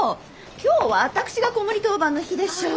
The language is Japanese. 今日は私が子守当番の日でしょ。